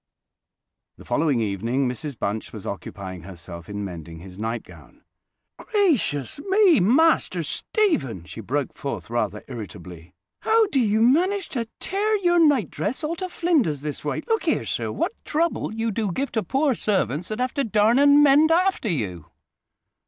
The following evening Mrs Bunch was occupying herself in mending his nightgown. "Gracious me, Master Stephen!" she broke forth rather irritably, "how do you manage to tear your nightdress all to flinders this way? Look here, sir, what trouble you do give to poor servants that have to darn and mend after you!"